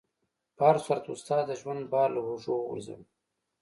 په هر صورت استاد د ژوند بار له اوږو وغورځاوه.